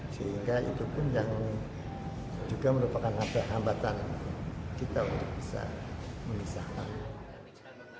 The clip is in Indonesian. sehingga itu pun yang juga merupakan hambatan kita untuk bisa memisahkan